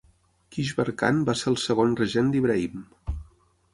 Kishvar Khan va ser el segon regent d'Ibrahim.